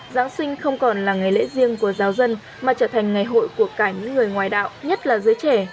giáng sinh không còn là ngày lễ riêng của giáo dân mà trở thành ngày hội của cả những người ngoài đạo nhất là giới trẻ